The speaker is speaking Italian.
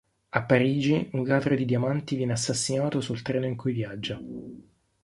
A Parigi, un ladro di diamanti viene assassinato sul treno in cui viaggia.